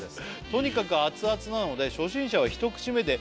「とにかく熱々なので初心者は一口目で」